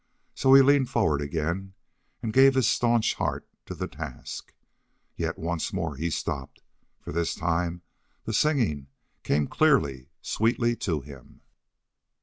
So he leaned forward again and gave his stanch heart to the task. Yet once more he stopped, for this time the singing came clearly, sweetly to him.